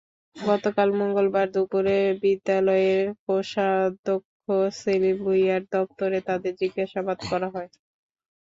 গতকাল মঙ্গলবার দুপুরে বিশ্ববিদ্যালয়ের কোষাধ্যক্ষ সেলিম ভূঁইয়ার দপ্তরে তাঁদের জিজ্ঞাসাবাদ করা হয়।